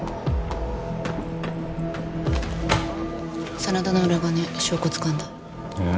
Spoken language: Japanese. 真田の裏金証拠つかんだえっ？